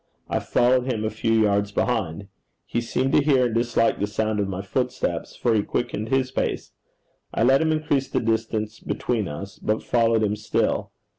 I followed him a few yards behind. He seemed to hear and dislike the sound of my footsteps, for he quickened his pace. I let him increase the distance between us, but followed him still.